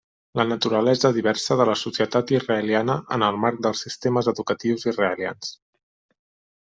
La naturalesa diversa de la societat israeliana en el marc dels sistemes educatius israelians.